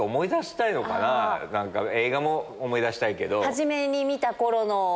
映画も思い出したいけど。